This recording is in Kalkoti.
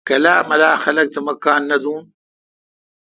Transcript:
کلا ملا خلق تہ مہ کان نہ دوں۔